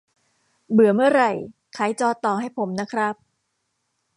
เบื่อ เมื่อไหร่ ขายจอต่อให้ผมนะครับ